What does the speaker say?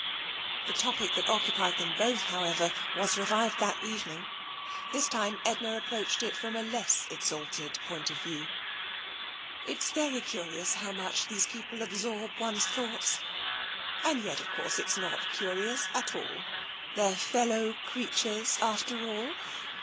The topic that occupied them both, however, was revived that evening. This time Edna approached it from a less exalted point of view. " It's very curious how much these people absorb one's thoughts. And yet, of course, it's not curious at all. They're fellow creatures, after all.